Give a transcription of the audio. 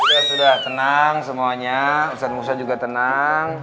ya sudah tenang semuanya ustadz musa juga tenang